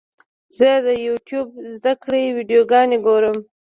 زه د یوټیوب زده کړې ویډیوګانې ګورم.